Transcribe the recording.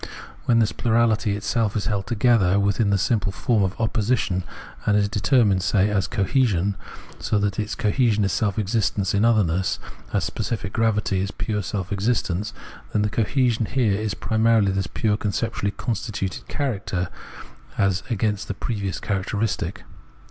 When this plurahty itself is held together within the simple form of opposi tion, and is determined, say, as cohesion, so that this cohesion is self existence in otherness, as specific gravity is pure self existence, then cohesion here is primarily this pure conceptually constituted characteristic as against the previous characteristic.